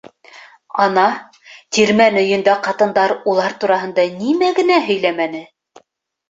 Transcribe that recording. Ана, тирмән өйөндә ҡатындар улар тураһында нимә генә һөйләмәне.